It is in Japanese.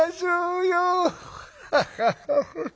「ハハハハ。